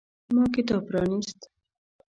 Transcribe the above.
ما کتاب پرانیست.